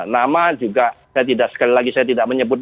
nama juga saya tidak sekali lagi saya tidak menyebut